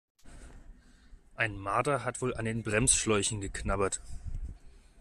Ein Marder hat wohl an den Bremsschläuchen geknabbert.